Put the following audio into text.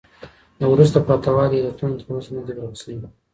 د وروسته پاته والي علتونه تر اوسه نه دي ورک سوي.